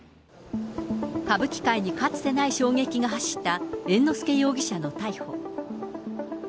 歌舞伎界にかつてない衝撃が走った猿之助容疑者の逮捕。